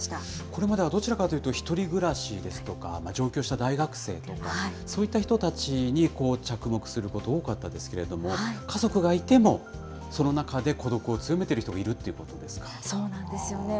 これまではどちらかというと、１人暮らしですとか、上京した大学生とか、そういった人たちに着目すること、多かったですけれども、家族がいても、その中で孤独を強めてる人がいるってことですそうなんですよね。